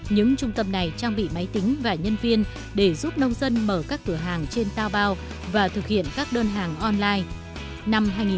những trung tâm này trang bị máy tính và nhân viên để giúp nông dân mở các cửa hàng trên tao bao và thực hiện các đơn hàng online